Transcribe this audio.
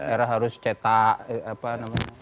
era harus cetak apa namanya